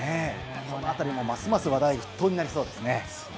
このあたりもますます話題沸騰となりそうですね。